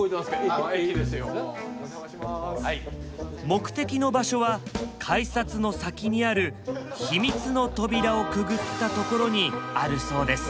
目的の場所は改札の先にある秘密の扉をくぐった所にあるそうです。